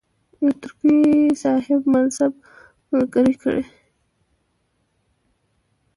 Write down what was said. یو ترکي صاحب منصب ملګری کړي.